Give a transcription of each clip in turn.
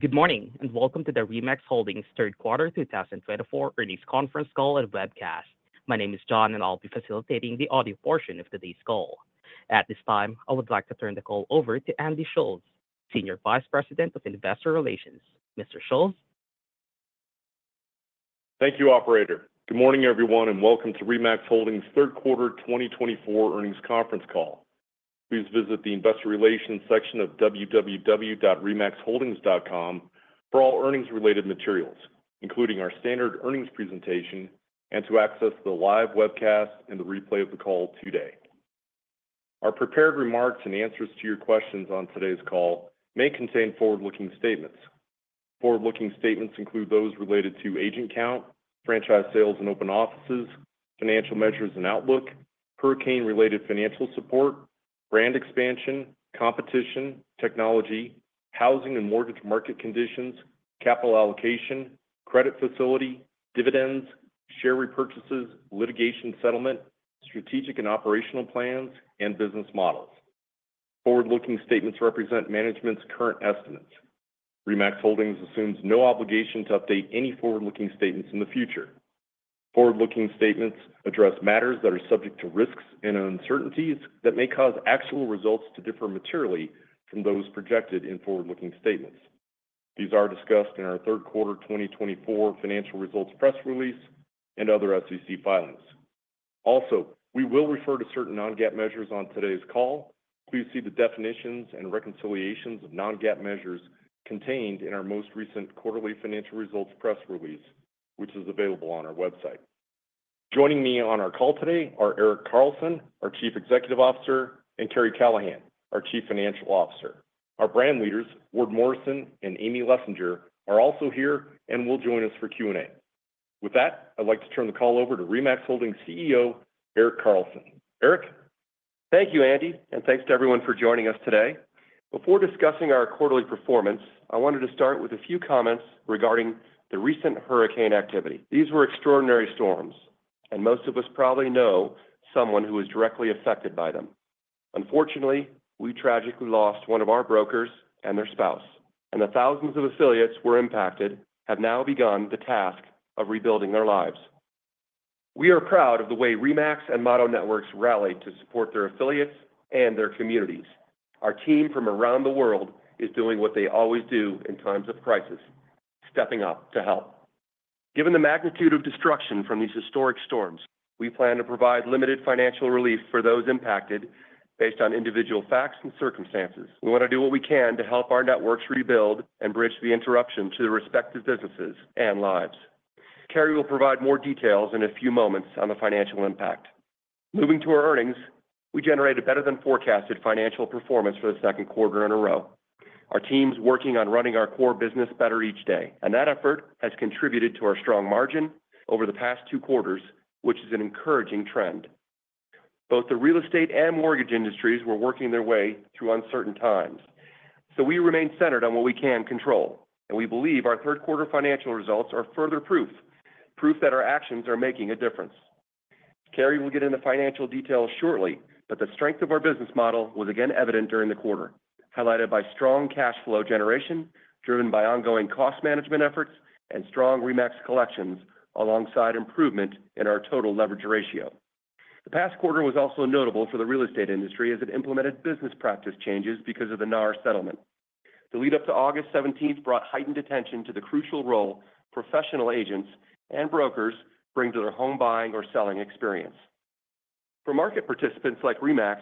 Good morning and welcome to the RE/MAX Holdings' Third Quarter 2024 Earnings Conference call and webcast. My name is John, and I'll be facilitating the audio portion of today's call. At this time, I would like to turn the call over to Andy Schulz, Senior Vice President of Investor Relations. Mr. Schulz? Thank you, Operator. Good morning, everyone, and welcome to RE/MAX Holdings' Third Quarter 2024 Earnings Conference call. Please visit the Investor Relations section of www.remaxholdings.com for all earnings-related materials, including our standard earnings presentation, and to access the live webcast and the replay of the call today. Our prepared remarks and answers to your questions on today's call may contain forward-looking statements. Forward-looking statements include those related to agent count, franchise sales and open offices, financial measures and outlook, hurricane-related financial support, brand expansion, competition, technology, housing and mortgage market conditions, capital allocation, credit facility, dividends, share repurchases, litigation settlement, strategic and operational plans, and business models. Forward-looking statements represent management's current estimates. RE/MAX Holdings assumes no obligation to update any forward-looking statements in the future. Forward-looking statements address matters that are subject to risks and uncertainties that may cause actual results to differ materially from those projected in forward-looking statements. These are discussed in our Third Quarter 2024 Financial Results Press Release and other SEC filings. Also, we will refer to certain non-GAAP measures on today's call. Please see the definitions and reconciliations of non-GAAP measures contained in our most recent quarterly financial results press release, which is available on our website. Joining me on our call today are Erik Carlson, our Chief Executive Officer, and Karri Callahan, our Chief Financial Officer. Our brand leaders, Ward Morrison and Amy Lessinger, are also here and will join us for Q&A. With that, I'd like to turn the call over to RE/MAX Holdings' CEO, Erik Carlson. Erik? Thank you, Andy, and thanks to everyone for joining us today. Before discussing our quarterly performance, I wanted to start with a few comments regarding the recent hurricane activity. These were extraordinary storms, and most of us probably know someone who was directly affected by them. Unfortunately, we tragically lost one of our brokers and their spouse, and the thousands of affiliates who were impacted have now begun the task of rebuilding their lives. We are proud of the way RE/MAX and Motto Mortgage rallied to support their affiliates and their communities. Our team from around the world is doing what they always do in times of crisis: stepping up to help. Given the magnitude of destruction from these historic storms, we plan to provide limited financial relief for those impacted based on individual facts and circumstances. We want to do what we can to help our networks rebuild and bridge the interruption to the respective businesses and lives. Karri will provide more details in a few moments on the financial impact. Moving to our earnings, we generated better-than-forecasted financial performance for the second quarter in a row. Our team is working on running our core business better each day, and that effort has contributed to our strong margin over the past two quarters, which is an encouraging trend. Both the real estate and mortgage industries were working their way through uncertain times, so we remain centered on what we can control, and we believe our third-quarter financial results are further proof, proof that our actions are making a difference. Karri will get into financial details shortly, but the strength of our business model was again evident during the quarter, highlighted by strong cash flow generation driven by ongoing cost management efforts and strong RE/MAX collections alongside improvement in our total leverage ratio. The past quarter was also notable for the real estate industry as it implemented business practice changes because of the NAR settlement. The lead-up to August 17 brought heightened attention to the crucial role professional agents and brokers bring to their home-buying or selling experience. For market participants like RE/MAX,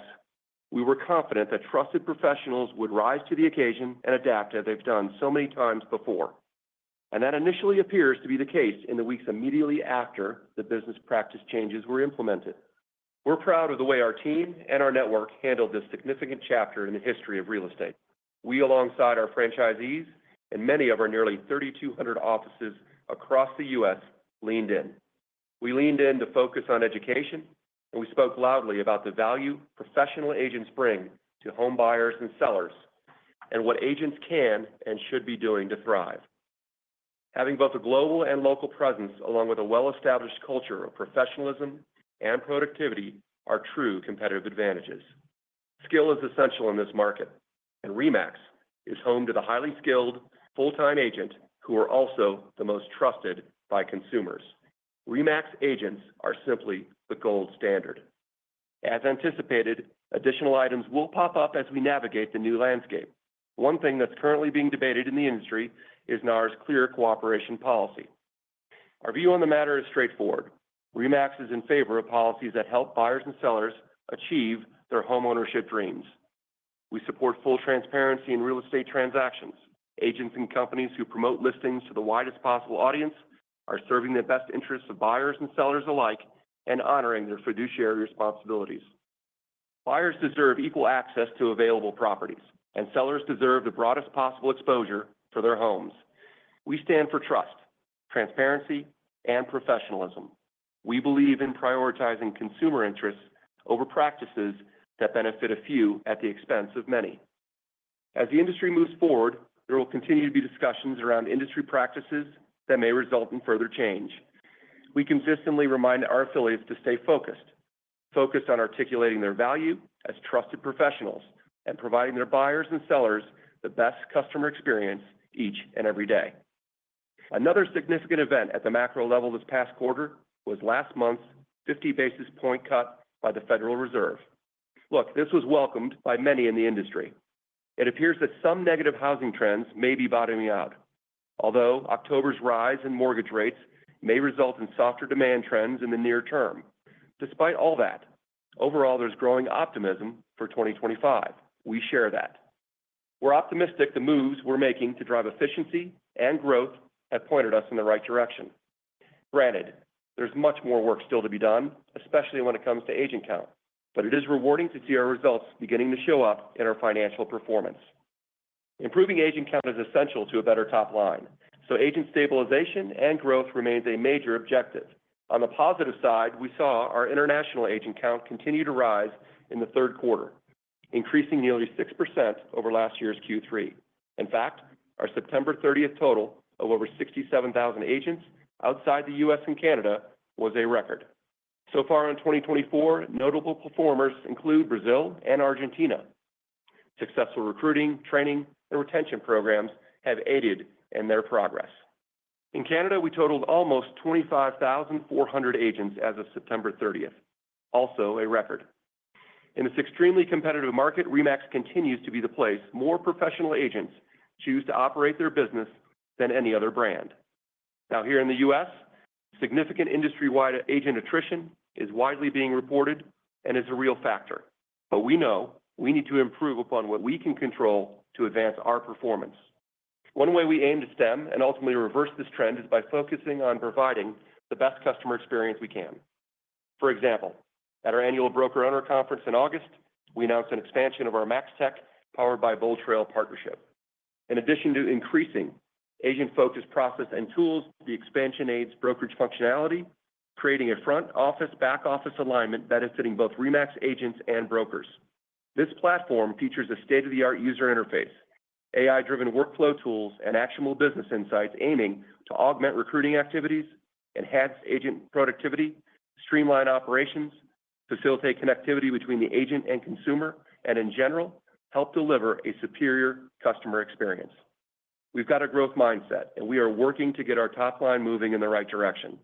we were confident that trusted professionals would rise to the occasion and adapt as they've done so many times before, and that initially appears to be the case in the weeks immediately after the business practice changes were implemented. We're proud of the way our team and our network handled this significant chapter in the history of real estate. We, alongside our franchisees and many of our nearly 3,200 offices across the U.S., leaned in. We leaned in to focus on education, and we spoke loudly about the value professional agents bring to home buyers and sellers and what agents can and should be doing to thrive. Having both a global and local presence, along with a well-established culture of professionalism and productivity, are true competitive advantages. Skill is essential in this market, and RE/MAX is home to the highly skilled full-time agents who are also the most trusted by consumers. RE/MAX agents are simply the gold standard. As anticipated, additional items will pop up as we navigate the new landscape. One thing that's currently being debated in the industry is NAR's Clear Cooperation Policy. Our view on the matter is straightforward: RE/MAX is in favor of policies that help buyers and sellers achieve their homeownership dreams. We support full transparency in real estate transactions. Agents and companies who promote listings to the widest possible audience are serving the best interests of buyers and sellers alike and honoring their fiduciary responsibilities. Buyers deserve equal access to available properties, and sellers deserve the broadest possible exposure for their homes. We stand for trust, transparency, and professionalism. We believe in prioritizing consumer interests over practices that benefit a few at the expense of many. As the industry moves forward, there will continue to be discussions around industry practices that may result in further change. We consistently remind our affiliates to stay focused, focused on articulating their value as trusted professionals and providing their buyers and sellers the best customer experience each and every day. Another significant event at the macro level this past quarter was last month's 50 basis point cut by the Federal Reserve. Look, this was welcomed by many in the industry. It appears that some negative housing trends may be bottoming out, although October's rise in mortgage rates may result in softer demand trends in the near term. Despite all that, overall, there's growing optimism for 2025. We share that. We're optimistic the moves we're making to drive efficiency and growth have pointed us in the right direction. Granted, there's much more work still to be done, especially when it comes to agent count, but it is rewarding to see our results beginning to show up in our financial performance. Improving agent count is essential to a better top line, so agent stabilization and growth remains a major objective. On the positive side, we saw our international agent count continue to rise in the third quarter, increasing nearly 6% over last year's Q3. In fact, our September 30 total of over 67,000 agents outside the U.S. and Canada was a record. So far in 2024, notable performers include Brazil and Argentina. Successful recruiting, training, and retention programs have aided in their progress. In Canada, we totaled almost 25,400 agents as of September 30, also a record. In this extremely competitive market, RE/MAX continues to be the place more professional agents choose to operate their business than any other brand. Now, here in the U.S., significant industry-wide agent attrition is widely being reported and is a real factor, but we know we need to improve upon what we can control to advance our performance. One way we aim to stem and ultimately reverse this trend is by focusing on providing the best customer experience we can. For example, at our annual Broker-Owner Conference in August, we announced an expansion of our MAX/Tech powered by BoldTrail partnership. In addition to increasing agent-focused process and tools, the expansion aids brokerage functionality, creating a front-office/back-office alignment benefiting both RE/MAX agents and brokers. This platform features a state-of-the-art user interface, AI-driven workflow tools, and actionable business insights aiming to augment recruiting activities, enhance agent productivity, streamline operations, facilitate connectivity between the agent and consumer, and in general, help deliver a superior customer experience. We've got a growth mindset, and we are working to get our top line moving in the right direction.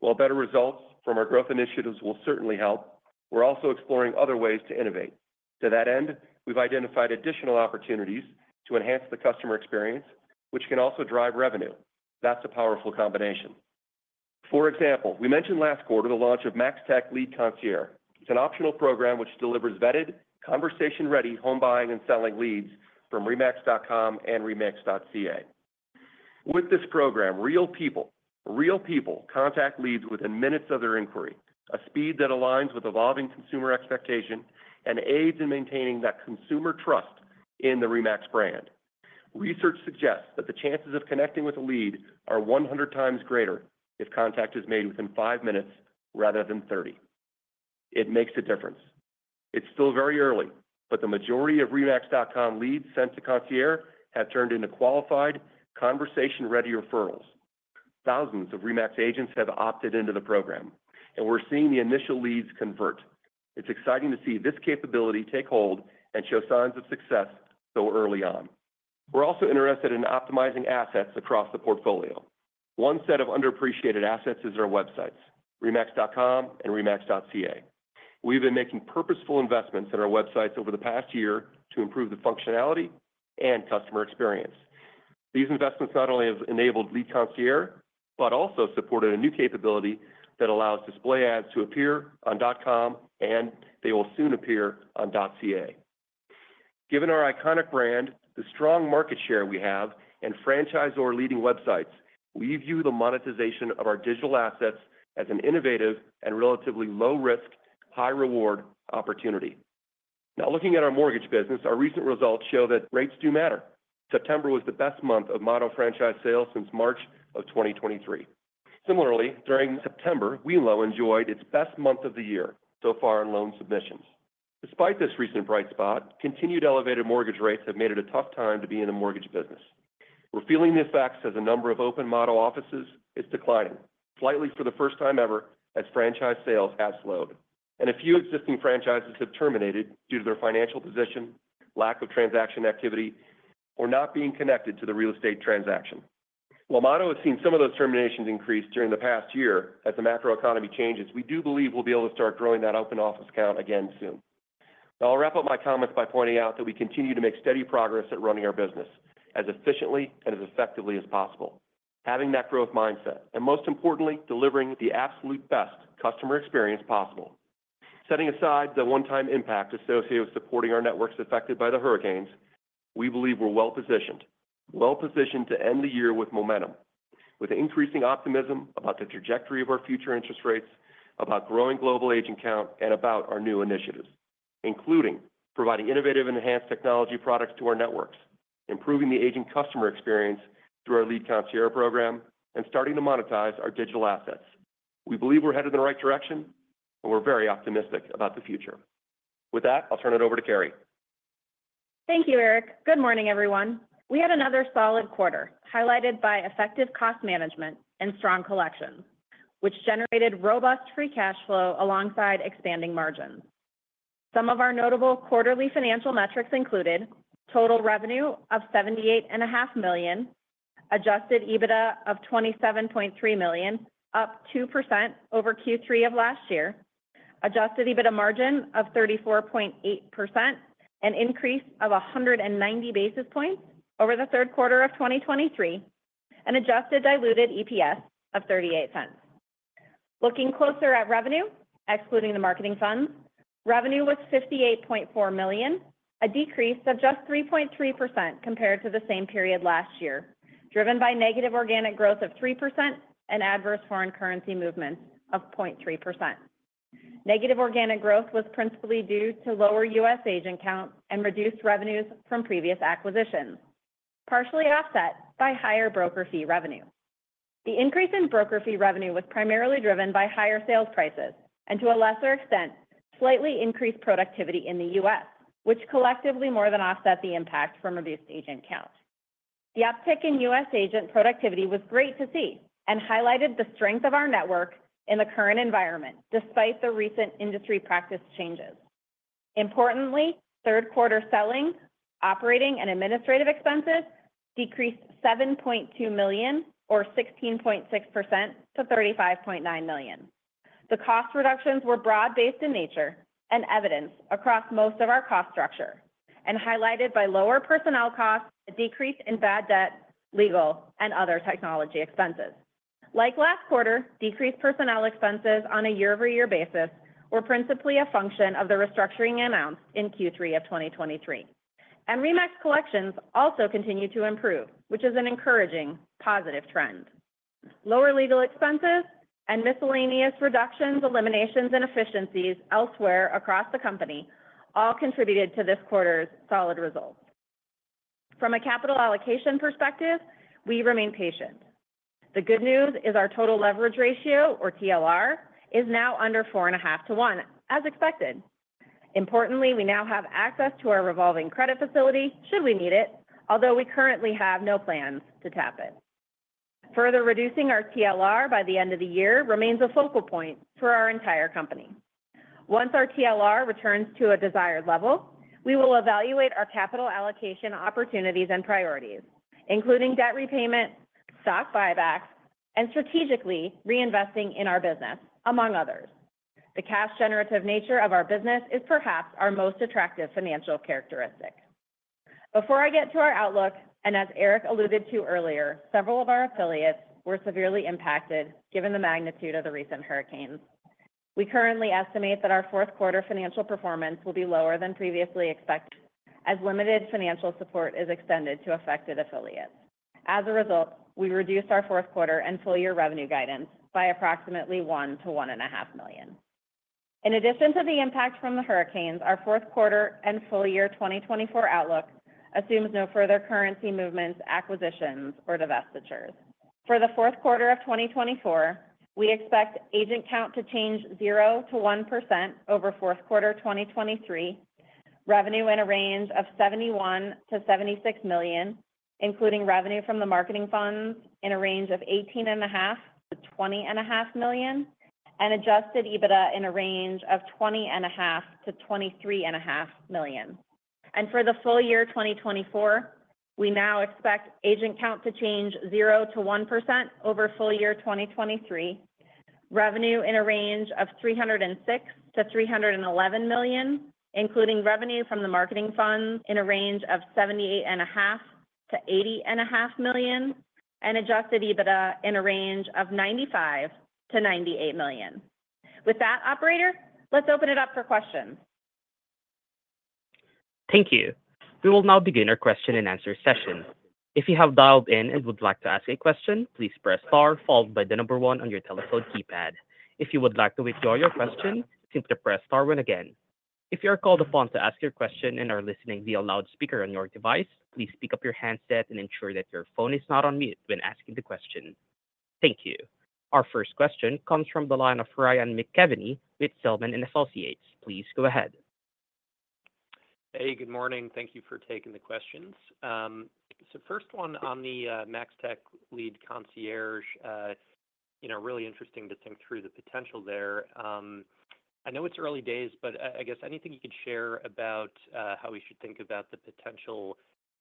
While better results from our growth initiatives will certainly help, we're also exploring other ways to innovate. To that end, we've identified additional opportunities to enhance the customer experience, which can also drive revenue. That's a powerful combination. For example, we mentioned last quarter the launch of MAX/Tech Lead Concierge. It's an optional program which delivers vetted, conversation-ready home-buying and selling leads from RE/MAX.com and RE/MAX.ca. With this program, real people contact leads within minutes of their inquiry, a speed that aligns with evolving consumer expectation and aids in maintaining that consumer trust in the RE/MAX brand. Research suggests that the chances of connecting with a lead are 100 times greater if contact is made within five minutes rather than 30. It makes a difference. It's still very early, but the majority of RE/MAX.com leads sent to concierge have turned into qualified, conversation-ready referrals. Thousands of RE/MAX agents have opted into the program, and we're seeing the initial leads convert. It's exciting to see this capability take hold and show signs of success so early on. We're also interested in optimizing assets across the portfolio. One set of underappreciated assets is our websites, RE/MAX.com and RE/MAX.ca. We've been making purposeful investments in our websites over the past year to improve the functionality and customer experience. These investments not only have enabled Lead Concierge, but also supported a new capability that allows display ads to appear on .com, and they will soon appear on .ca. Given our iconic brand, the strong market share we have, and franchise or leading websites, we view the monetization of our digital assets as an innovative and relatively low-risk, high-reward opportunity. Now, looking at our mortgage business, our recent results show that rates do matter. September was the best month of Motto franchise sales since March of 2023. Similarly, during September, Wemlo enjoyed its best month of the year so far in loan submissions. Despite this recent bright spot, continued elevated mortgage rates have made it a tough time to be in the mortgage business. We're feeling the effects as a number of open Motto offices is declining, slightly for the first time ever as franchise sales have slowed, and a few existing franchises have terminated due to their financial position, lack of transaction activity, or not being connected to the real estate transaction. While Motto has seen some of those terminations increase during the past year as the macro economy changes, we do believe we'll be able to start growing that open office count again soon. I'll wrap up my comments by pointing out that we continue to make steady progress at running our business as efficiently and as effectively as possible, having that growth mindset, and most importantly, delivering the absolute best customer experience possible. Setting aside the one-time impact associated with supporting our networks affected by the hurricanes, we believe we're well-positioned to end the year with momentum, with increasing optimism about the trajectory of our future interest rates, about growing global agent count, and about our new initiatives, including providing innovative and enhanced technology products to our networks, improving the agent customer experience through our Lead Concierge program, and starting to monetize our digital assets. We believe we're headed in the right direction, and we're very optimistic about the future. With that, I'll turn it over to Karri. Thank you, Erik. Good morning, everyone. We had another solid quarter highlighted by effective cost management and strong collections, which generated robust free cash flow alongside expanding margins. Some of our notable quarterly financial metrics included total revenue of $78.5 million, adjusted EBITDA of $27.3 million, up 2% over Q3 of last year, adjusted EBITDA margin of 34.8%, an increase of 190 basis points over the third quarter of 2023, and adjusted diluted EPS of $0.38. Looking closer at revenue, excluding the marketing funds, revenue was $58.4 million, a decrease of just 3.3% compared to the same period last year, driven by negative organic growth of 3% and adverse foreign currency movements of 0.3%. Negative organic growth was principally due to lower U.S. agent count and reduced revenues from previous acquisitions, partially offset by higher broker fee revenue. The increase in broker fee revenue was primarily driven by higher sales prices and, to a lesser extent, slightly increased productivity in the U.S., which collectively more than offset the impact from reduced agent count. The uptick in U.S. agent productivity was great to see and highlighted the strength of our network in the current environment despite the recent industry practice changes. Importantly, third quarter selling, operating, and administrative expenses decreased $7.2 million, or 16.6% to $35.9 million. The cost reductions were broad-based in nature and evidenced across most of our cost structure and highlighted by lower personnel costs, a decrease in bad debt, legal, and other technology expenses. Like last quarter, decreased personnel expenses on a year-over-year basis were principally a function of the restructuring announced in Q3 of 2023. And RE/MAX collections also continued to improve, which is an encouraging positive trend. Lower legal expenses and miscellaneous reductions, eliminations, and efficiencies elsewhere across the company all contributed to this quarter's solid results. From a capital allocation perspective, we remain patient. The good news is our total leverage ratio, or TLR, is now under 4.5 to 1, as expected. Importantly, we now have access to our revolving credit facility should we need it, although we currently have no plans to tap it. Further reducing our TLR by the end of the year remains a focal point for our entire company. Once our TLR returns to a desired level, we will evaluate our capital allocation opportunities and priorities, including debt repayment, stock buybacks, and strategically reinvesting in our business, among others. The cash-generative nature of our business is perhaps our most attractive financial characteristic. Before I get to our outlook, and as Erik alluded to earlier, several of our affiliates were severely impacted given the magnitude of the recent hurricanes. We currently estimate that our fourth quarter financial performance will be lower than previously expected as limited financial support is extended to affected affiliates. As a result, we reduced our fourth quarter and full-year revenue guidance by approximately $1 million-$1.5 million. In addition to the impact from the hurricanes, our fourth quarter and full-year 2024 outlook assumes no further currency movements, acquisitions, or divestitures. For the fourth quarter of 2024, we expect agent count to change 0%-1% over fourth quarter 2023, revenue in a range of $71 million-$76 million, including revenue from the marketing funds in a range of $18.5million-$20.5 million, and Adjusted EBITDA in a range of $20.5million-$23.5 million. For the full-year 2024, we now expect agent count to change 0%-1% over full-year 2023, revenue in a range of $306 million-$311 million, including revenue from the Marketing Funds in a range of $78.5 million-$80.5 million, and Adjusted EBITDA in a range of $95 million-$98 million. With that, operator, let's open it up for questions. Thank you. We will now begin our question-and-answer session. If you have dialed in and would like to ask a question, please press star followed by the number one on your telephone keypad. If you would like to withdraw your question, simply press star one again. If you are called upon to ask your question and are listening via loudspeaker on your device, please pick up your handset and ensure that your phone is not on mute when asking the question. Thank you. Our first question comes from the line of Ryan McKeveny with Zelman & Associates. Please go ahead. Hey, good morning. Thank you for taking the questions. So first one on the MAX/Tech Lead Concierge, you know, really interesting to think through the potential there. I know it's early days, but I guess anything you could share about how we should think about the potential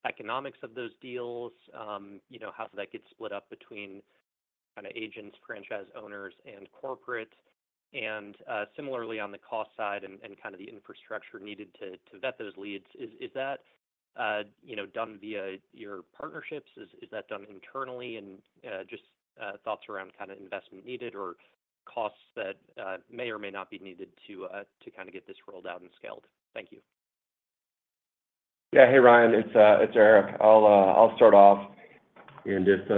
economics of those deals, you know, how that gets split up between kind of agents, franchise owners, and corporate. And similarly, on the cost side and kind of the infrastructure needed to vet those leads, is that, you know, done via your partnerships? Is that done internally? And just thoughts around kind of investment needed or costs that may or may not be needed to kind of get this rolled out and scaled? Thank you. Yeah. Hey, Ryan. It's Erik. I'll start off. And if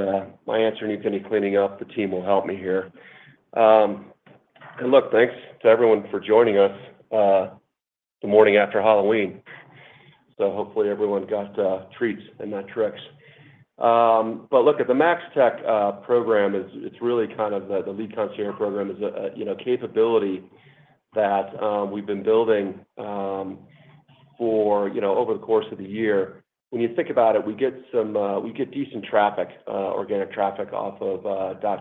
my answer needs any cleaning up, the team will help me here. And look, thanks to everyone for joining us the morning after Halloween. So hopefully everyone got treats and not tricks. But look, at the MAX/Tech program, it's really kind of the Lead Concierge program is a capability that we've been building for, you know, over the course of the year. When you think about it, we get decent traffic, organic traffic off of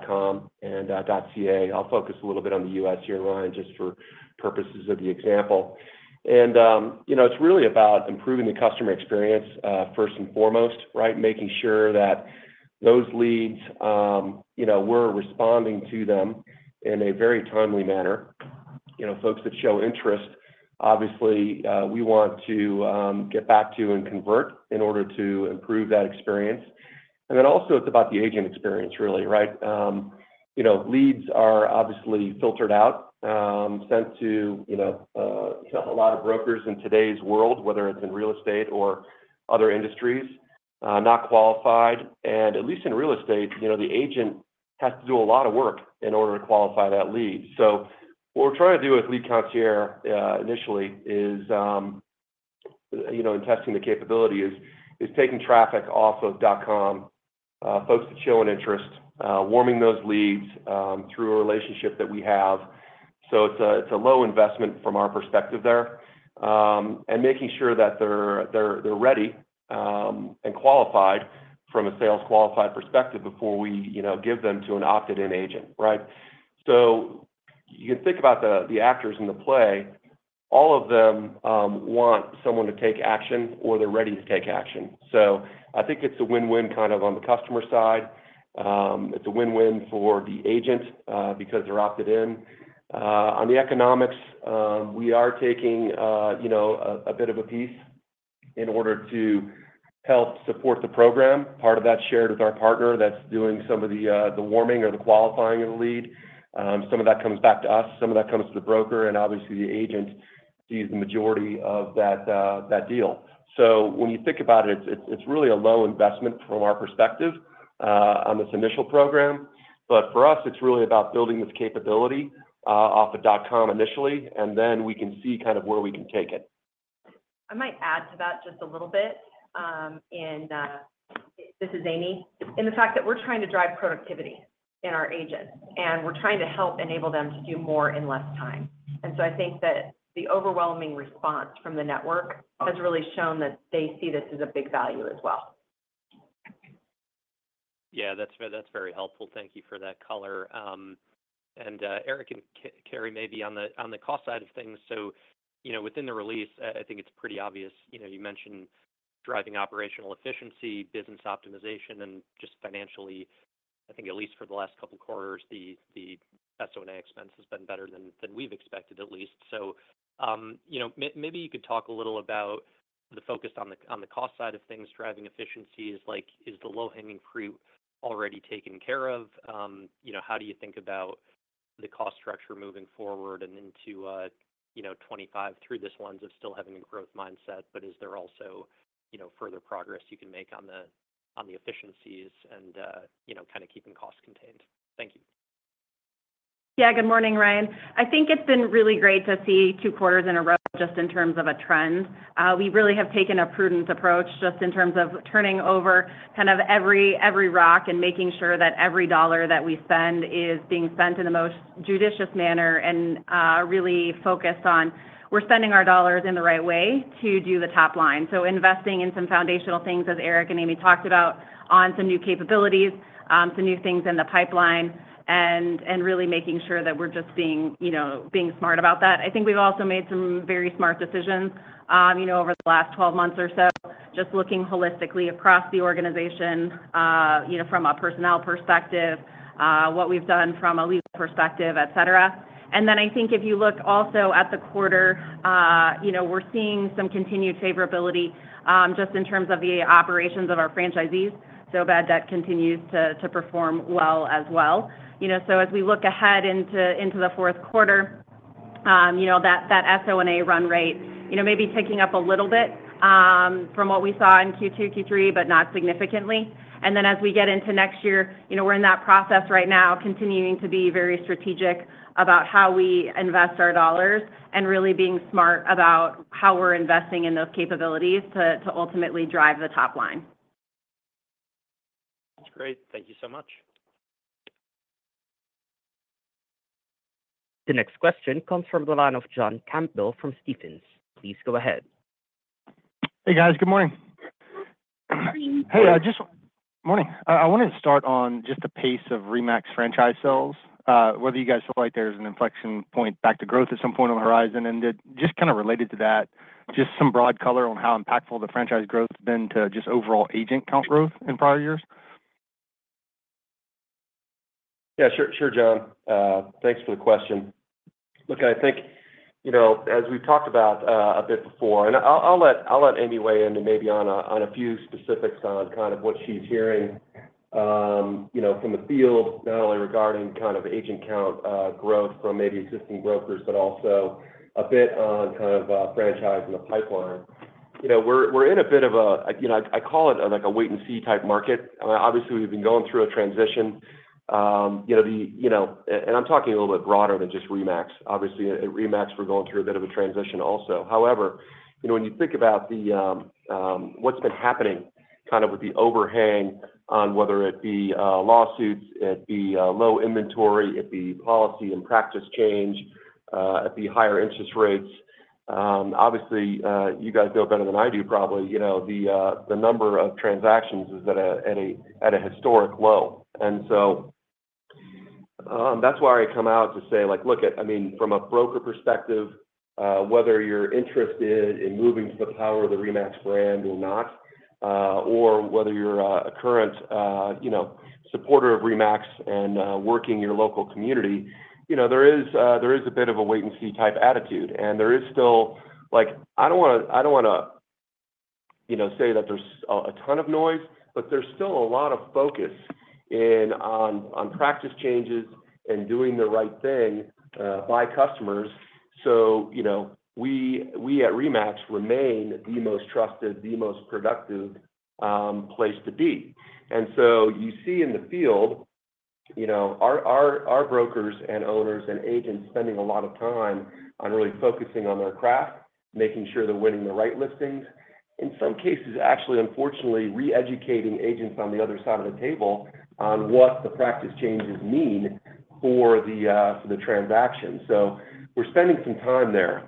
.com and .ca. I'll focus a little bit on the U.S. here, Ryan, just for purposes of the example. And, you know, it's really about improving the customer experience first and foremost, right? Making sure that those leads, you know, we're responding to them in a very timely manner. You know, folks that show interest, obviously, we want to get back to and convert in order to improve that experience. And then also it's about the agent experience, really, right? You know, leads are obviously filtered out, sent to, you know, a lot of brokers in today's world, whether it's in real estate or other industries, not qualified. And at least in real estate, you know, the agent has to do a lot of work in order to qualify that lead. So what we're trying to do with Lead Concierge initially is, you know, in testing the capability, is taking traffic off of .com, folks that show an interest, warming those leads through a relationship that we have. So it's a low investment from our perspective there. And making sure that they're ready and qualified from a sales qualified perspective before we, you know, give them to an opted-in agent, right? So you can think about the actors in the play. All of them want someone to take action or they're ready to take action, so I think it's a win-win kind of on the customer side. It's a win-win for the agent because they're opted in. On the economics, we are taking, you know, a bit of a piece in order to help support the program. Part of that's shared with our partner that's doing some of the warming or the qualifying of the lead. Some of that comes back to us. Some of that comes to the broker. And obviously, the agent sees the majority of that deal, so when you think about it, it's really a low investment from our perspective on this initial program, but for us, it's really about building this capability off of .com initially, and then we can see kind of where we can take it. I might add to that just a little bit. And this is Amy. And the fact that we're trying to drive productivity in our agents, and we're trying to help enable them to do more in less time. And so I think that the overwhelming response from the network has really shown that they see this as a big value as well. Yeah, that's very helpful. Thank you for that color. And Erik and Karri maybe on the cost side of things. So, you know, within the release, I think it's pretty obvious, you know, you mentioned driving operational efficiency, business optimization, and just financially, I think at least for the last couple of quarters, the SO&A expense has been better than we've expected, at least. So, you know, maybe you could talk a little about the focus on the cost side of things, driving efficiencies. Like, is the low-hanging fruit already taken care of? You know, how do you think about the cost structure moving forward and into, you know, 2025 through this lens of still having a growth mindset? But is there also, you know, further progress you can make on the efficiencies and, you know, kind of keeping costs contained? Thank you. Yeah, good morning, Ryan. I think it's been really great to see two quarters in a row just in terms of a trend. We really have taken a prudent approach just in terms of turning over kind of every rock and making sure that every dollar that we spend is being spent in the most judicious manner and really focused on we're spending our dollars in the right way to do the top line. So investing in some foundational things, as Erik and Amy talked about, on some new capabilities, some new things in the pipeline, and really making sure that we're just being, you know, being smart about that. I think we've also made some very smart decisions, you know, over the last 12 months or so, just looking holistically across the organization, you know, from a personnel perspective, what we've done from a lead perspective, et cetera. And then I think if you look also at the quarter, you know, we're seeing some continued favorability just in terms of the operations of our franchisees. So bad debt continues to perform well as well. You know, so as we look ahead into the fourth quarter, you know, that SO&A run rate, you know, maybe ticking up a little bit from what we saw in Q2, Q3, but not significantly. And then as we get into next year, you know, we're in that process right now, continuing to be very strategic about how we invest our dollars and really being smart about how we're investing in those capabilities to ultimately drive the top line. That's great. Thank you so much. The next question comes from the line of John Campbell from Stephens. Please go ahead. Hey, guys. Good morning. I wanted to start on just the pace of RE/MAX franchise sales, whether you guys feel like there's an inflection point back to growth at some point on the horizon. And just kind of related to that, just some broad color on how impactful the franchise growth has been to just overall agent count growth in prior years. Yeah, sure, sure, John. Thanks for the question. Look, I think, you know, as we talked about a bit before, and I'll let Amy weigh in and maybe on a few specifics on kind of what she's hearing, you know, from the field, not only regarding kind of agent count growth from maybe existing brokers, but also a bit on kind of franchise in the pipeline. You know, we're in a bit of a, you know, I call it like a wait-and-see type market. Obviously, we've been going through a transition. You know, and I'm talking a little bit broader than just RE/MAX. Obviously, at RE/MAX, we're going through a bit of a transition also. However, you know, when you think about what's been happening kind of with the overhang on whether it be lawsuits, it be low inventory, it be policy and practice change, it be higher interest rates, obviously, you guys know better than I do, probably, you know, the number of transactions is at a historic low. And so that's why I come out to say, like, look, I mean, from a broker perspective, whether you're interested in moving to the power of the RE/MAX brand or not, or whether you're a current, you know, supporter of RE/MAX and working your local community, you know, there is a bit of a wait-and-see type attitude. And there is still, like, I don't want to, you know, say that there's a ton of noise, but there's still a lot of focus on practice changes and doing the right thing by customers. So, you know, we at RE/MAX remain the most trusted, the most productive place to be. And so you see in the field, you know, our brokers and owners and agents spending a lot of time on really focusing on their craft, making sure they're winning the right listings, in some cases, actually, unfortunately, re-educating agents on the other side of the table on what the practice changes mean for the transaction. So we're spending some time there.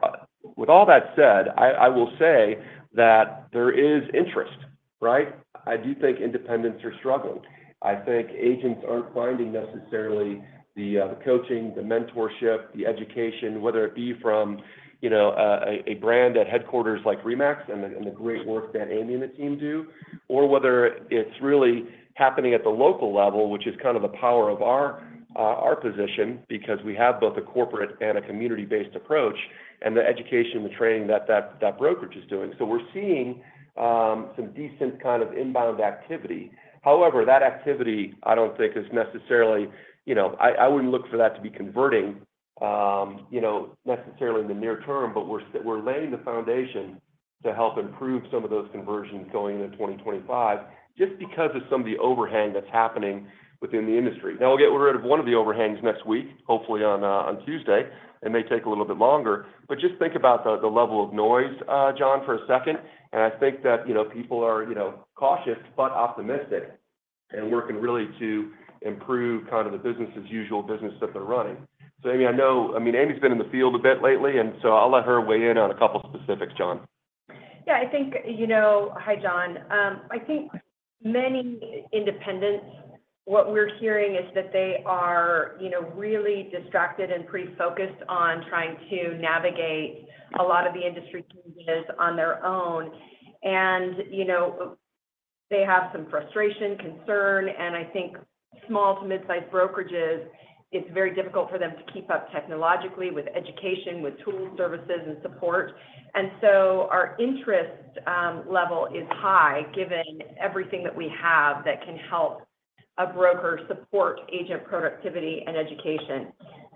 With all that said, I will say that there is interest, right? I do think independents are struggling. I think agents aren't finding necessarily the coaching, the mentorship, the education, whether it be from, you know, a brand at headquarters like RE/MAX and the great work that Amy and the team do, or whether it's really happening at the local level, which is kind of the power of our position because we have both a corporate and a community-based approach and the education and the training that that brokerage is doing. So we're seeing some decent kind of inbound activity. However, that activity, I don't think is necessarily, you know, I wouldn't look for that to be converting, you know, necessarily in the near term, but we're laying the foundation to help improve some of those conversions going into 2025 just because of some of the overhang that's happening within the industry. Now, we'll get rid of one of the overhangs next week, hopefully on Tuesday. It may take a little bit longer, but just think about the level of noise, John, for a second. I think that, you know, people are, you know, cautious but optimistic and working really to improve kind of the business-as-usual business that they're running. Amy, I know, I mean, Amy's been in the field a bit lately, and so I'll let her weigh in on a couple of specifics, John. Yeah, I think, you know, hi, John. I think many independents, what we're hearing is that they are, you know, really distracted and pretty focused on trying to navigate a lot of the industry changes on their own. You know, they have some frustration, concern, and I think small to mid-sized brokerages, it's very difficult for them to keep up technologically with education, with tools, services, and support. Our interest level is high given everything that we have that can help a broker support agent productivity and education.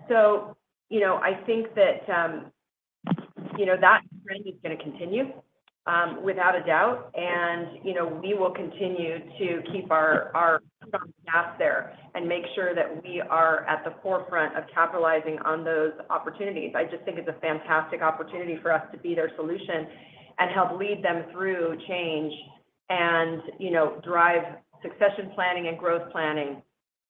So, you know, I think that, you know, that trend is going to continue without a doubt. And, you know, we will continue to keep our foot on the gas there and make sure that we are at the forefront of capitalizing on those opportunities. I just think it's a fantastic opportunity for us to be their solution and help lead them through change and, you know, drive succession planning and growth planning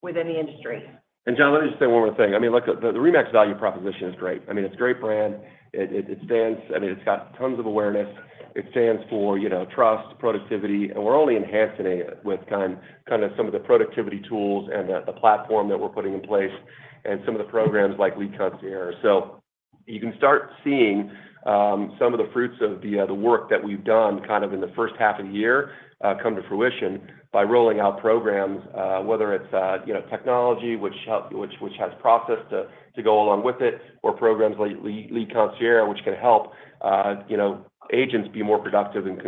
within the industry. And, John, let me just say one more thing. I mean, look, the RE/MAX value proposition is great. I mean, it's a great brand. It stands, I mean, it's got tons of awareness. It stands for, you know, trust, productivity. We're only enhancing it with kind of some of the productivity tools and the platform that we're putting in place and some of the programs like Lead Concierge. So you can start seeing some of the fruits of the work that we've done kind of in the first half of the year come to fruition by rolling out programs, whether it's, you know, technology, which has process to go along with it, or programs like Lead Concierge, which can help, you know, agents be more productive and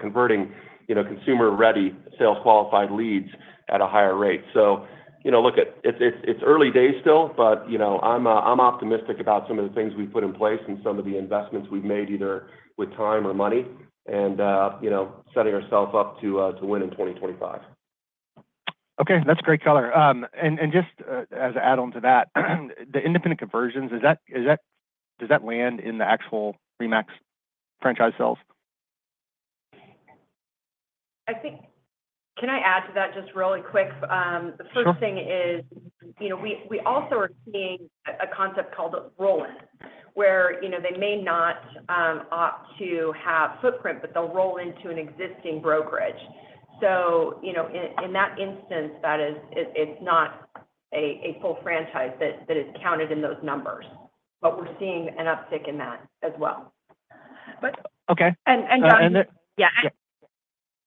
converting, you know, consumer-ready sales qualified leads at a higher rate. So, you know, look, it's early days still, but, you know, I'm optimistic about some of the things we've put in place and some of the investments we've made either with time or money and, you know, setting ourselves up to win in 2025. Okay, that's great color. Just as an add-on to that, the independent conversions, does that land in the actual RE/MAX franchise sales? I think, can I add to that just really quick? The first thing is, you know, we also are seeing a concept called roll-in, where, you know, they may not opt to have footprint, but they'll roll into an existing brokerage. So, you know, in that instance, that is, it's not a full franchise that is counted in those numbers. But we're seeing an uptick in that as well. Okay. And, John, yeah. Go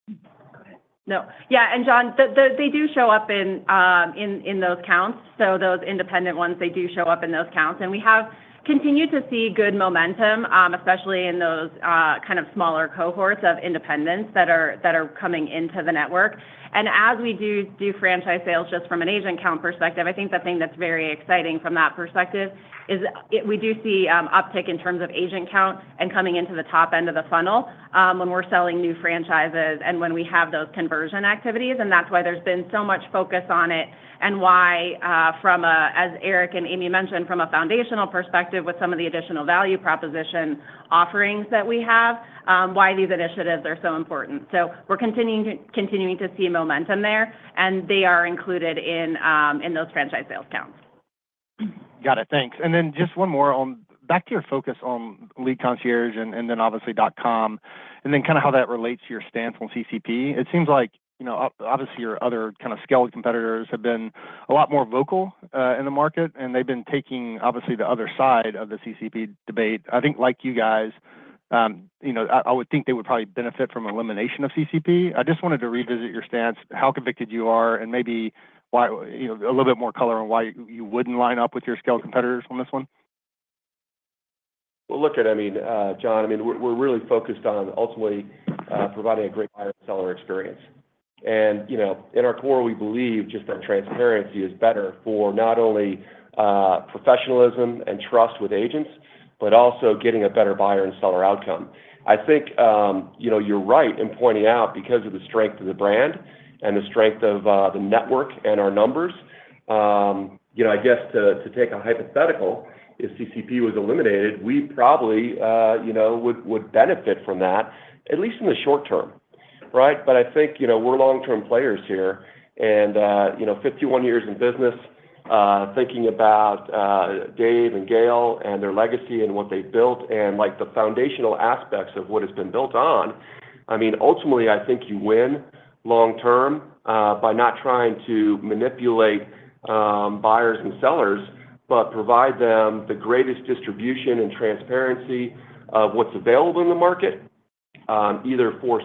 ahead. No, yeah, and John, they do show up in those counts. So those independent ones, they do show up in those counts. And we have continued to see good momentum, especially in those kind of smaller cohorts of independents that are coming into the network. As we do franchise sales just from an agent count perspective, I think the thing that's very exciting from that perspective is we do see uptick in terms of agent count and coming into the top end of the funnel when we're selling new franchises and when we have those conversion activities. That's why there's been so much focus on it and why, as Erik and Amy mentioned, from a foundational perspective with some of the additional value proposition offerings that we have, these initiatives are so important. We're continuing to see momentum there, and they are included in those franchise sales counts. Got it. Thanks. Then just one more on back to your focus on Lead Concierge and then obviously .com and then kind of how that relates to your stance on CCP. It seems like, you know, obviously your other kind of scaled competitors have been a lot more vocal in the market, and they've been taking obviously the other side of the CCP debate. I think like you guys, you know, I would think they would probably benefit from elimination of CCP. I just wanted to revisit your stance, how convicted you are, and maybe a little bit more color on why you wouldn't line up with your scaled competitors on this one. Well, look, I mean, John, I mean, we're really focused on ultimately providing a great buyer and seller experience. And, you know, in our core, we believe just that transparency is better for not only professionalism and trust with agents, but also getting a better buyer and seller outcome. I think, you know, you're right in pointing out because of the strength of the brand and the strength of the network and our numbers, you know, I guess to take a hypothetical, if CCP was eliminated, we probably, you know, would benefit from that, at least in the short term, right? But I think, you know, we're long-term players here. And, you know, 51 years in business, thinking about Dave and Gail and their legacy and what they built and like the foundational aspects of what has been built on, I mean, ultimately, I think you win long-term by not trying to manipulate buyers and sellers, but provide them the greatest distribution and transparency of what's available in the market, either for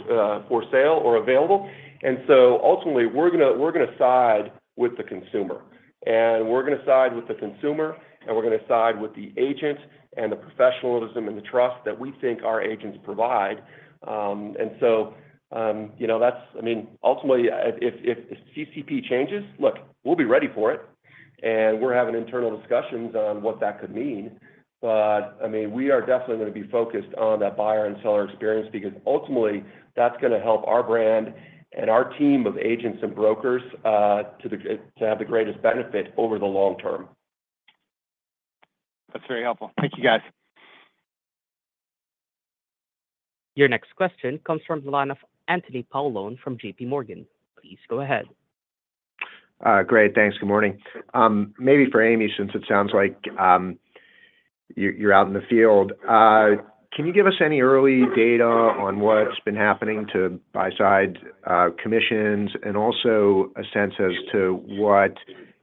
sale or available. And so ultimately, we're going to side with the consumer. And we're going to side with the consumer, and we're going to side with the agent and the professionalism and the trust that we think our agents provide. And so, you know, that's, I mean, ultimately, if CCP changes, look, we'll be ready for it. And we're having internal discussions on what that could mean. But, I mean, we are definitely going to be focused on that buyer and seller experience because ultimately, that's going to help our brand and our team of agents and brokers to have the greatest benefit over the long term. That's very helpful. Thank you, guys. Your next question comes from the line of Anthony Paolone from JPMorgan. Please go ahead. Great. Thanks. Good morning. Maybe for Amy, since it sounds like you're out in the field, can you give us any early data on what's been happening to buy-side commissions and also a sense as to what,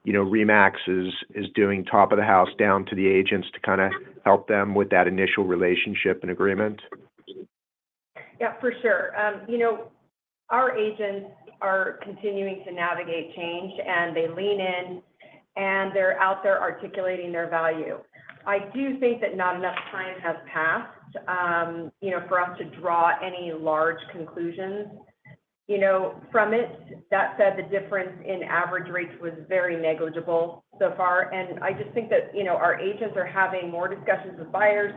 you know, RE/MAX is doing top of the house down to the agents to kind of help them with that initial relationship and agreement? Yeah, for sure. You know, our agents are continuing to navigate change, and they lean in, and they're out there articulating their value. I do think that not enough time has passed, you know, for us to draw any large conclusions, you know, from it. That said, the difference in average rates was very negligible so far. And I just think that, you know, our agents are having more discussions with buyers,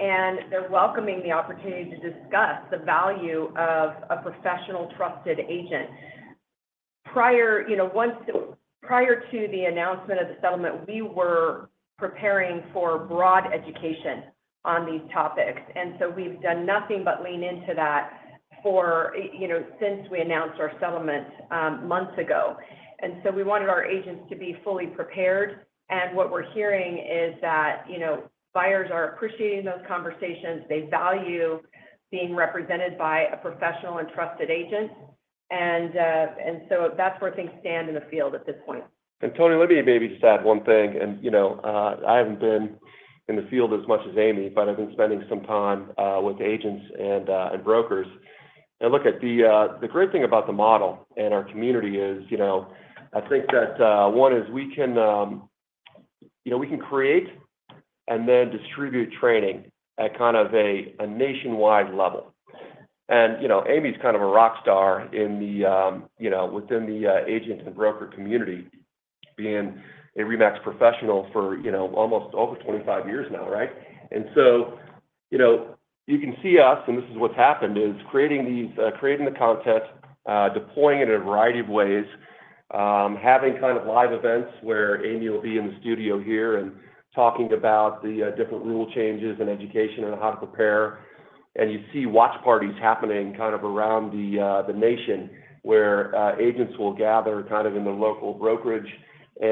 and they're welcoming the opportunity to discuss the value of a professional, trusted agent. You know, prior to the announcement of the settlement, we were preparing for broad education on these topics, and so we've done nothing but lean into that for, you know, since we announced our settlement months ago, and so we wanted our agents to be fully prepared, and what we're hearing is that, you know, buyers are appreciating those conversations. They value being represented by a professional and trusted agent, and so that's where things stand in the field at this point, and Tony, let me maybe just add one thing, and, you know, I haven't been in the field as much as Amy, but I've been spending some time with agents and brokers. And look, the great thing about the model and our community is, you know, I think that one is we can, you know, we can create and then distribute training at kind of a nationwide level. And, you know, Amy's kind of a rock star in the, you know, within the agent and broker community, being a RE/MAX professional for, you know, almost over 25 years now, right? And so, you know, you can see us, and this is what's happened, is creating the content, deploying it in a variety of ways, having kind of live events where Amy will be in the studio here and talking about the different rule changes and education on how to prepare. And you see watch parties happening kind of around the nation where agents will gather kind of in the local brokerage. You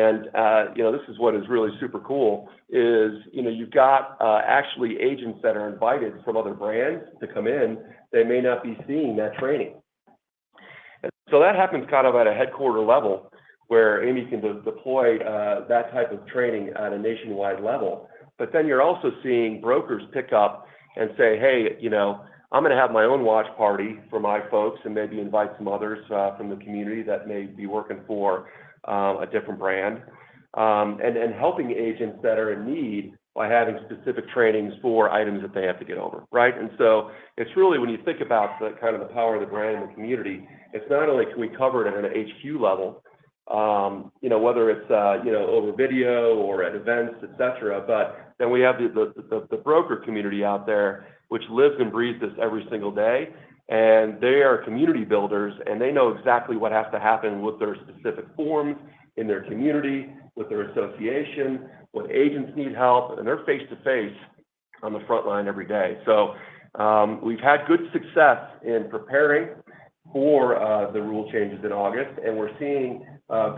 know, this is what is really super cool is, you know, you've got actually agents that are invited from other brands to come in. They may not be seeing that training. And so that happens kind of at a headquarters level where Amy can deploy that type of training at a nationwide level. But then you're also seeing brokers pick up and say, "Hey, you know, I'm going to have my own watch party for my folks and maybe invite some others from the community that may be working for a different brand," and helping agents that are in need by having specific trainings for items that they have to get over, right? It's really when you think about the kind of the power of the brand and the community. It's not only can we cover it at an HQ level, you know, whether it's, you know, over video or at events, et cetera, but then we have the broker community out there, which lives and breathes this every single day. They are community builders, and they know exactly what has to happen with their specific firms in their community, with their association, what agents need help. They're face to face on the front line every day. So we've had good success in preparing for the rule changes in August, and we're seeing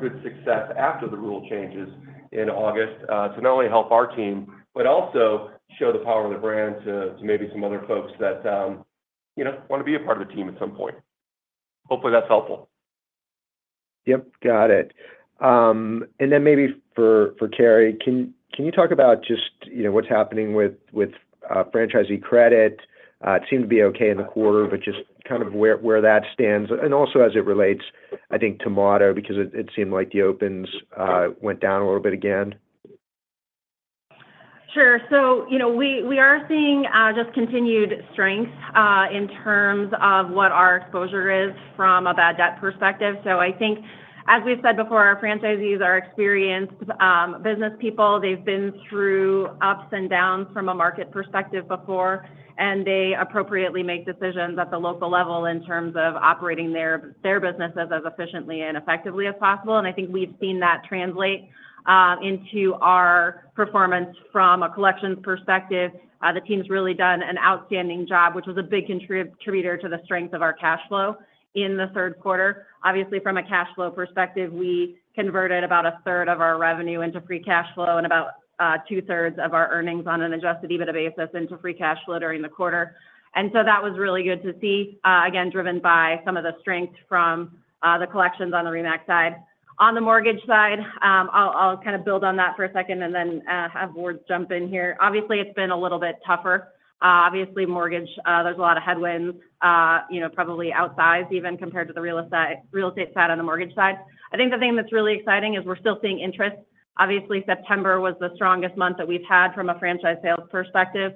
good success after the rule changes in August to not only help our team, but also show the power of the brand to maybe some other folks that, you know, want to be a part of the team at some point. Hopefully, that's helpful. Yep, got it. And then maybe for Karri, can you talk about just, you know, what's happening with franchisee credit? It seemed to be okay in the quarter, but just kind of where that stands. And also as it relates, I think, to Motto because it seemed like the opens went down a little bit again. Sure. So, you know, we are seeing just continued strength in terms of what our exposure is from a bad debt perspective. So I think, as we've said before, our franchisees are experienced business people. They've been through ups and downs from a market perspective before, and they appropriately make decisions at the local level in terms of operating their businesses as efficiently and effectively as possible. And I think we've seen that translate into our performance from a collections perspective. The team's really done an outstanding job, which was a big contributor to the strength of our cash flow in the third quarter. Obviously, from a cash flow perspective, we converted about a third of our revenue into Free Cash Flow and about two-thirds of our earnings on an Adjusted EBITDA basis into Free Cash Flow during the quarter. And so that was really good to see, again, driven by some of the strength from the collections on the RE/MAX side. On the mortgage side, I'll kind of build on that for a second and then have Ward jump in here. Obviously, it's been a little bit tougher. Obviously, mortgage, there's a lot of headwinds, you know, probably outsized even compared to the real estate side on the mortgage side. I think the thing that's really exciting is we're still seeing interest. Obviously, September was the strongest month that we've had from a franchise sales perspective,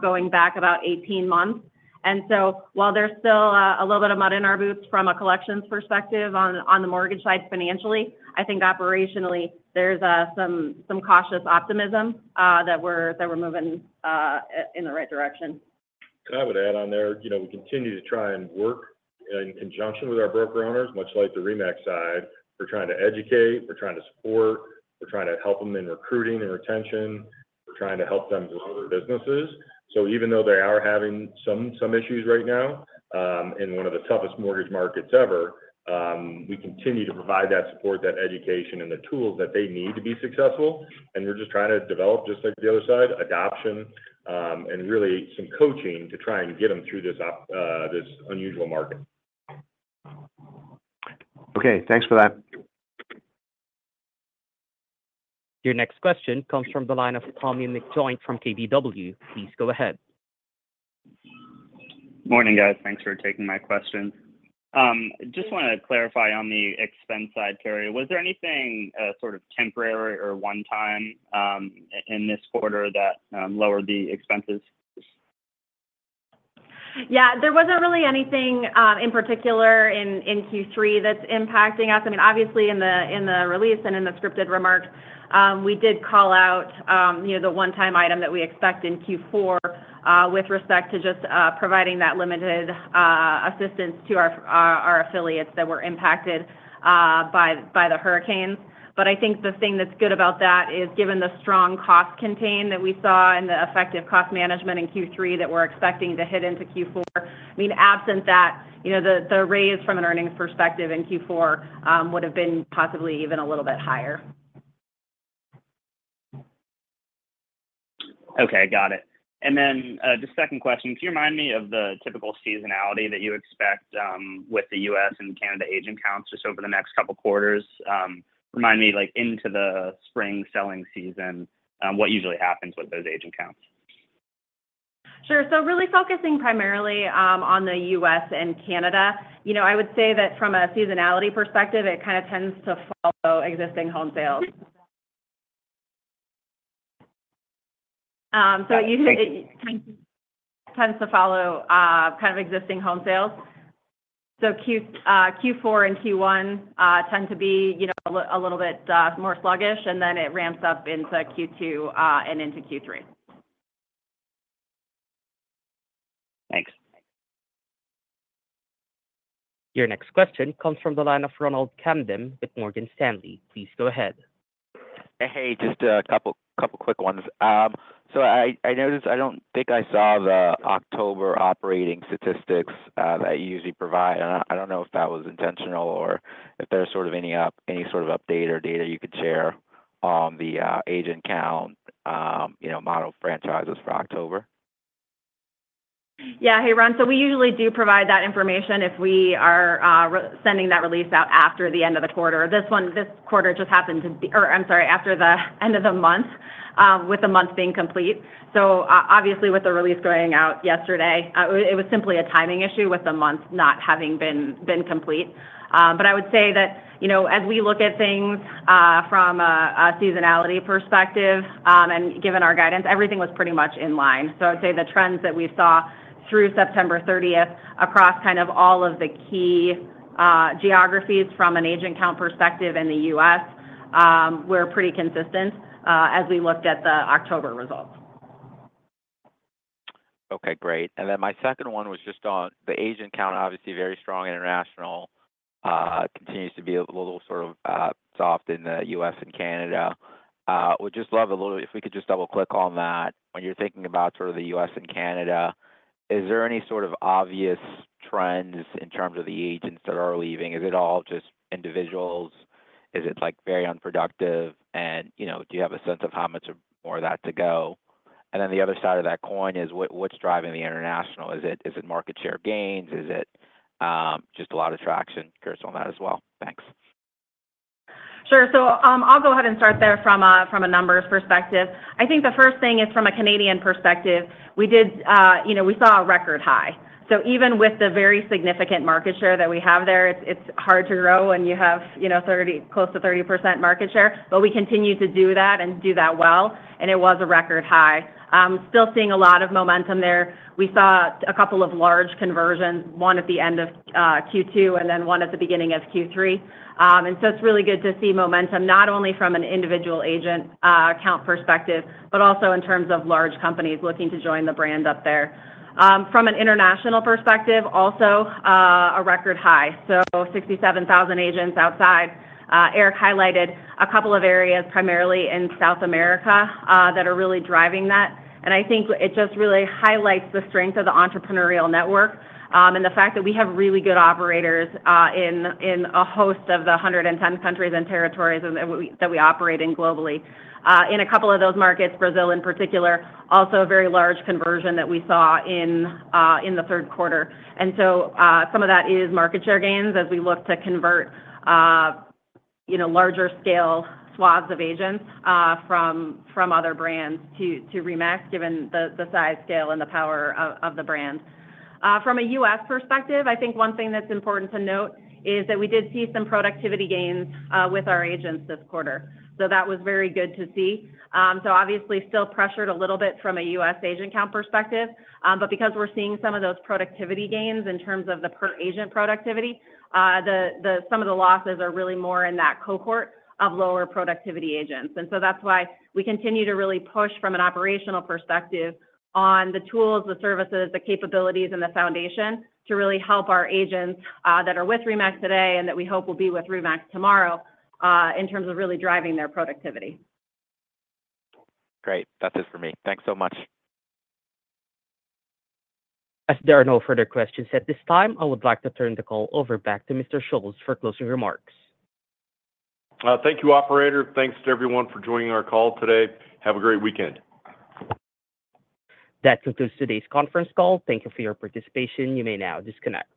going back about 18 months. And so while there's still a little bit of mud in our boots from a collections perspective on the mortgage side financially, I think operationally there's some cautious optimism that we're moving in the right direction. I would add on there, you know, we continue to try and work in conjunction with our broker owners, much like the RE/MAX side. We're trying to educate. We're trying to support. We're trying to help them in recruiting and retention. We're trying to help them with other businesses. So even though they are having some issues right now in one of the toughest mortgage markets ever, we continue to provide that support, that education, and the tools that they need to be successful. And we're just trying to develop, just like the other side, adoption and really some coaching to try and get them through this unusual market. Okay, thanks for that. Your next question comes from the line of Tommy McJoynt from KBW. Please go ahead. Morning, guys. Thanks for taking my question. Just want to clarify on the expense side, Karri. Was there anything sort of temporary or one-time in this quarter that lowered the expenses? Yeah, there wasn't really anything in particular in Q3 that's impacting us. I mean, obviously in the release and in the scripted remarks, we did call out, you know, the one-time item that we expect in Q4 with respect to just providing that limited assistance to our affiliates that were impacted by the hurricanes. But I think the thing that's good about that is given the strong cost containment that we saw and the effective cost management in Q3 that we're expecting to carry into Q4, I mean, absent that, you know, the raise from an earnings perspective in Q4 would have been possibly even a little bit higher. Okay, got it. And then the second question, can you remind me of the typical seasonality that you expect with the U.S. and Canada agent counts just over the next couple of quarters? Remind me like into the spring selling season, what usually happens with those agent counts? Sure. So really focusing primarily on the U.S. and Canada, you know, I would say that from a seasonality perspective, it kind of tends to follow existing home sales. So it tends to follow kind of existing home sales. So Q4 and Q1 tend to be, you know, a little bit more sluggish, and then it ramps up into Q2 and into Q3. Thanks. Your next question comes from the line of Ronald Kamdem with Morgan Stanley. Please go ahead. Hey, just a couple of quick ones. So I noticed I don't think I saw the October operating statistics that you usually provide. I don't know if that was intentional or if there's sort of any update or data you could share on the agent count, you know, Motto franchises for October. Yeah, hey, Ron, so we usually do provide that information if we are sending that release out after the end of the quarter. This quarter just happened to be, or I'm sorry, after the end of the month with the month being complete. So obviously with the release going out yesterday, it was simply a timing issue with the month not having been complete. But I would say that, you know, as we look at things from a seasonality perspective and given our guidance, everything was pretty much in line. So I would say the trends that we saw through September 30th across kind of all of the key geographies from an agent count perspective in the U.S., we're pretty consistent as we looked at the October results. Okay, great. And then my second one was just on the agent count, obviously very strong international continues to be a little sort of soft in the U.S. and Canada. Would just love a little, if we could just double-click on that. When you're thinking about sort of the U.S. and Canada, is there any sort of obvious trends in terms of the agents that are leaving? Is it all just individuals? Is it like very unproductive? And, you know, do you have a sense of how much more of that to go? And then the other side of that coin is what's driving the international? Is it market share gains? Is it just a lot of traction? Curious on that as well. Thanks. Sure. So I'll go ahead and start there from a numbers perspective. I think the first thing is from a Canadian perspective, we did, you know, we saw a record high. So even with the very significant market share that we have there, it's hard to grow when you have, you know, close to 30% market share. But we continue to do that and do that well. And it was a record high. Still seeing a lot of momentum there. We saw a couple of large conversions, one at the end of Q2 and then one at the beginning of Q3. And so it's really good to see momentum not only from an individual agent count perspective, but also in terms of large companies looking to join the brand up there. From an international perspective, also a record high. So 67,000 agents outside. Erik highlighted a couple of areas primarily in South America that are really driving that. And I think it just really highlights the strength of the entrepreneurial network and the fact that we have really good operators in a host of the 110 countries and territories that we operate in globally. In a couple of those markets, Brazil in particular, also a very large conversion that we saw in the third quarter. And so some of that is market share gains as we look to convert, you know, larger scale swaths of agents from other brands to RE/MAX, given the size scale and the power of the brand. From a U.S. perspective, I think one thing that's important to note is that we did see some productivity gains with our agents this quarter. So that was very good to see. So obviously still pressured a little bit from a U.S. agent count perspective. But because we're seeing some of those productivity gains in terms of the per agent productivity, some of the losses are really more in that cohort of lower productivity agents. And so that's why we continue to really push from an operational perspective on the tools, the services, the capabilities, and the foundation to really help our agents that are with RE/MAX today and that we hope will be with RE/MAX tomorrow in terms of really driving their productivity. Great. That's it for me. Thanks so much. As there are no further questions at this time, I would like to turn the call over back to Mr. Schulz for closing remarks. Thank you, operator. Thanks to everyone for joining our call today. Have a great weekend. That concludes today's conference call. Thank you for your participation. You may now disconnect.